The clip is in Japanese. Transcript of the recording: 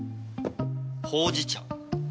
ほうじ茶。